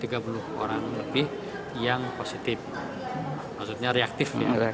kita sudah menemukan tiga puluh orang lebih yang positif maksudnya reaktif ya